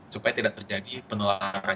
supaya tidak terjadi penularan